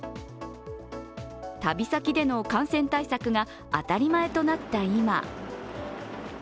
旅先での感染対策が当たり前となった今。